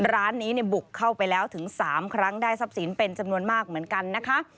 ร้านนี้บุกเข้าไปแล้วถึง๓ครั้งได้ทรัพย์สินเป็นจำนวนมากเหมือนกันนะคะ